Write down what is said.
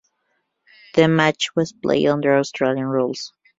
The match was played under Australian rules.